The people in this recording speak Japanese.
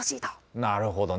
なるほどね。